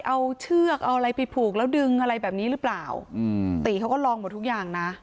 เอาเชือกเอาอะไรไปผูกแล้วดึงอะไรแบบนี้หรือเปล่าอืมตีเขาก็ลองหมดทุกอย่างนะ